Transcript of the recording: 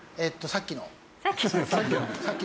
さっきの。